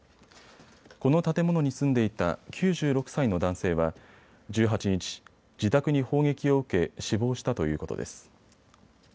この建物に住んでいた９６歳の男性は１８日、自宅に砲撃を受け死亡したということです。